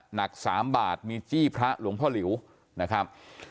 หนัก๓บาทมีจี้พระหลวงพ่อหลิวนะครับ